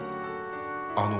あの。